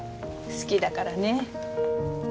好きだからねぇ。